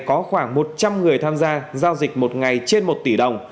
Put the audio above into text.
có khoảng một trăm linh người tham gia giao dịch một ngày trên một tỷ đồng